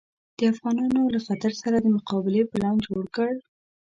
د افغانانو له خطر سره د مقابلې پلان جوړ کړ.